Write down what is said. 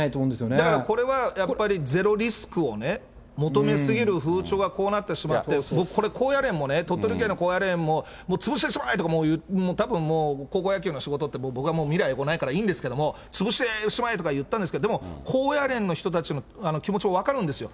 だからこれは、やっぱりゼロリスクをね、求めすぎる風潮がこうなってしまって、僕これ、高野連もね、鳥取県の高野連ももう潰してしまえとか、もうたぶんもう、高校野球の仕事って、僕は未来永劫ないからいいんですけれども、潰してしまえとか言ったんですけど、でも高野連の人たちの気持ちも分かるんですよ。